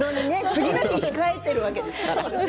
次の日控えているわけですからね。